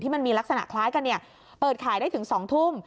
มันมีลักษณะคล้ายกันเปิดขายได้ถึง๒ทุ่ม